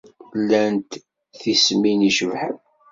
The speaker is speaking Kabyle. Llant tissmin icebḥen.